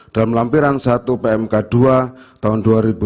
dalam lampiran satu pmk dua tahun dua ribu dua puluh